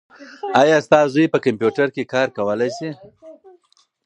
ایا ستا زوی په کمپیوټر کې کار کولای شي؟